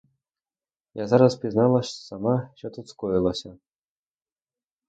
Я зараз пізнала сама, що тут скоїлося.